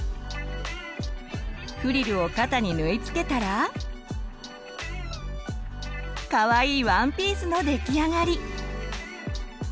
フリルを肩に縫い付けたらかわいいワンピースの出来上がり！